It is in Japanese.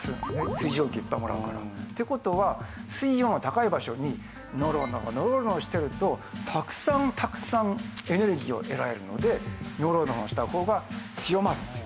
水蒸気いっぱいもらうから。って事は水温が高い場所にノロノロノロノロしてるとたくさんたくさんエネルギーを得られるのでノロノロした方が強まるんですよ。